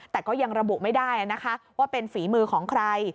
แต่ก็ยังระบุไม่ได้นะคะว่าเป็นฝีมือของใคร